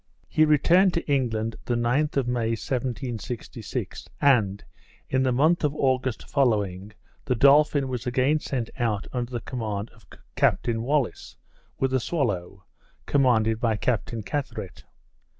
He returned to England the 9th of May, 1766, and, in the month of August following, the Dolphin was again sent out under the command of Captain Wallis, with the Swallow, commanded by Captain Carteret.